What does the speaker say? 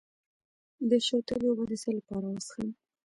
د شوتلې اوبه د څه لپاره وڅښم؟